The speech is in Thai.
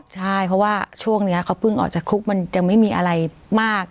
ใช่เพราะว่าช่วงนี้เขาเพิ่งออกจากคุกมันยังไม่มีอะไรมาก